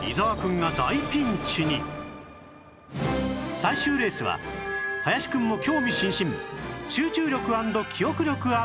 最終レースは林くんも興味津々！